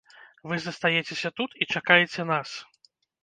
Вы застаецеся тут і чакаеце нас.